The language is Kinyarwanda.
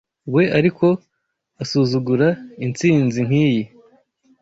We ariko asuzugura intsinzi nkiyi